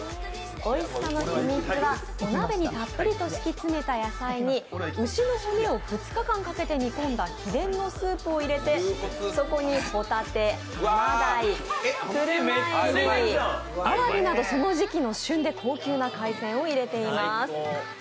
おいしさの秘密は鍋にたっぷりと敷き詰めた野菜に牛の骨を２日間かけて煮込んで秘伝のスープを入れてそこにホタテ、甘鯛、車エビ、あわびなどその時期の旬で高級な海鮮を入れています。